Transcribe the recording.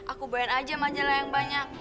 aku bayar aja majalah yang banyak